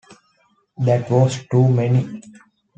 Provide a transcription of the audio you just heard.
That was too many.